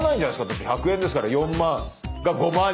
だって１００円ですから４万が５万になるのか。